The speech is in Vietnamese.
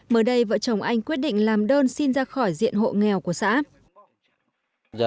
mới đây vợ chồng anh quyết định làm đơn xin ra khỏi diện hộ nghèo của xã